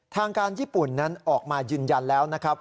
ทางการญี่ปุ่นนั้นออกมายืนยันแล้วนะครับ